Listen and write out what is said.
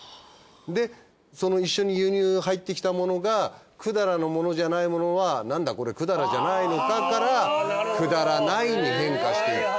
でその一緒に輸入入ってきた物が百済のものじゃない物はなんだこれ百済じゃないのかからくだらないに変化していった。